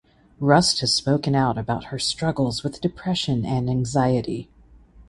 Rust has spoken out about her struggles with depression and anxiety.